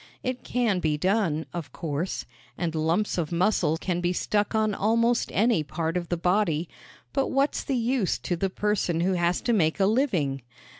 It can be done, of course; and lumps of muscle can be stuck on almost any part of the body but what's the use to the person who has to make a living?